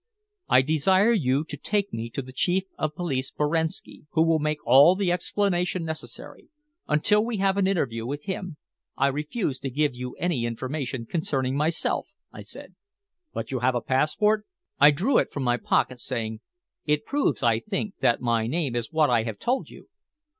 "I desire you to take me to the Chief of Police Boranski, who will make all the explanation necessary. Until we have an interview with him, I refuse to give any information concerning myself," I said. "But you have a passport?" I drew it from my pocket, saying "It proves, I think, that my name is what I have told you."